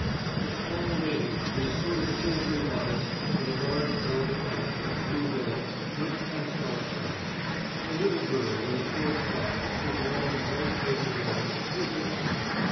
A tall lady in a sort of silvery bodice and a large velvet hat and blue veil went past our carriage. A little girl in a short frock, with long, white gaitered legs, was with her.